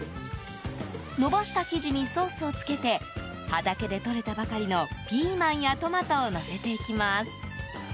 延ばした生地にソースをつけて畑でとれたばかりのピーマンやトマトをのせていきます。